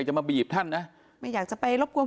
การทำให้มันตามกฎหมายจะพูดมาก